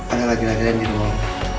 ada lagi lagi yang di luar